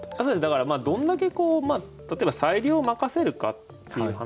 だからどんだけ例えば裁量を任せるかっていう話もありますよね。